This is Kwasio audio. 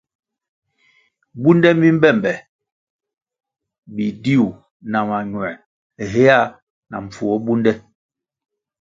Bunde mi mbe be bidiu na mañuē héa na mpfuo bunde.